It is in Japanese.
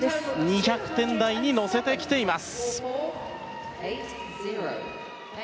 ２００点台に乗せてきています。